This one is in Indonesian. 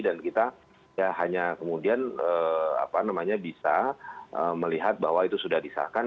dan kita hanya kemudian bisa melihat bahwa itu sudah disahkan